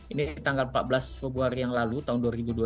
ini tanggal empat belas februari yang lalu tahun dua ribu dua puluh